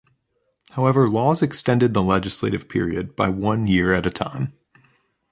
However, laws extended the legislative period by one year at a time.